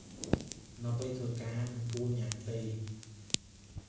នៅពេលធ្វើការ មិនគួរញ៉ាំទេ ។